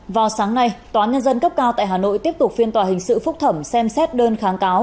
vào sáng nay tòa nhân dân cấp cao tại hà nội tiếp tục phiên tòa hình sự phúc thẩm xem xét đơn kháng cáo